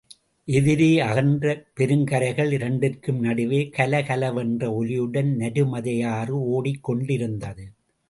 எதிரே அகன்ற பெருங்கரைகள் இரண்டிற்கும் நடுவே கலகலவென்ற ஒலியுடன் நருமதையாறு ஒடிக்கொண்டிருந்தது.